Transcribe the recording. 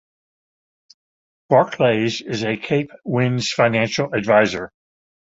Barclays is Cape Wind's Financial Advisor.